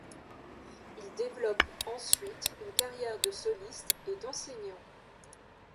Il développe ensuite une carrière de soliste et d'enseignant.